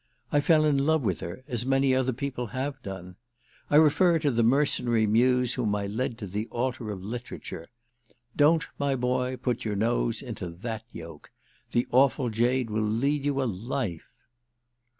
I fell in love with her, as many other people have done. I refer to the mercenary muse whom I led to the altar of literature. Don't, my boy, put your nose into that yoke. The awful jade will lead you a life!"